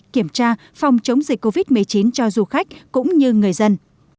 kiểm tra phòng chống dịch covid một mươi chín cho du khách cũng như người dân